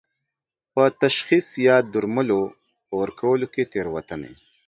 په تشخیص یا د درملو په ورکولو کې تېروتنې